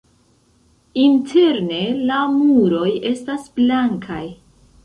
Interne la muroj estas blankaj.